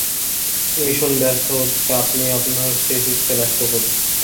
Mission ব্যর্থ হচ্ছে, আপনি আপনার শেষ ইচ্ছে ব্যক্ত করুন।